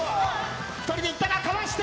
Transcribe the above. ２人で行ったがかわして。